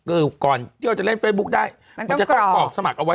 เออก่อนที่เราจะเล่นเฟซบุ๊กได้มันต้องกรอบมันจะต้องกรอบสมัครเอาไว้